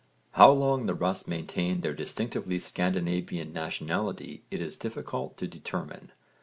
How long the Russ maintained their distinctively Scandinavian nationality it is difficult to determine.